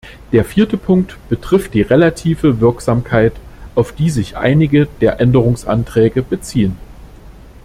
Der vierte Punkt betrifft die relative Wirksamkeit, auf die sich einige der Änderungsanträge beziehen.